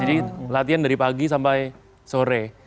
jadi latihan dari pagi sampai sore